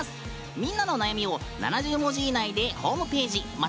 みんなの悩みを７０文字以内でホームページ